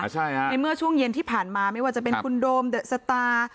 ใช่ค่ะในเมื่อช่วงเย็นที่ผ่านมาไม่ว่าจะเป็นคุณโดมเดอะสตาร์